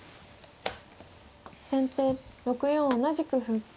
先手６四同じく歩。